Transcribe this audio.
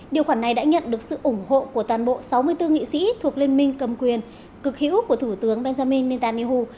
điều khoản này đã nhận được sự ủng hộ của toàn bộ sáu mươi bốn nghị sĩ thuộc liên minh cầm quyền cực hữu của thủ tướng benjamin netanyahu